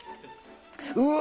うわ！